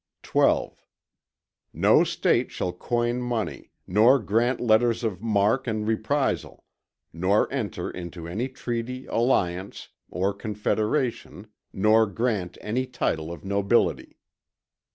XII No State shall coin money; nor grant letters of marque and reprisal; nor enter into any treaty, alliance, or confederation; nor grant any title of nobility.